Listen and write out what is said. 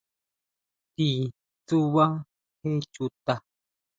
¿Ti tsubá je chuta?